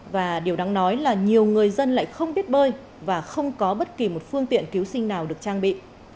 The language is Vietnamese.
và điều đáng nói là nhiều người dân lại không biết bơi và không có bất kỳ một phương tiện cứu sinh nào được trang bị